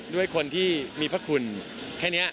ด้วยคนที่มีพระคุณแค่นี้